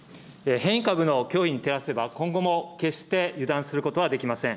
変異株の脅威に照らせば、今後も決して油断することはできません。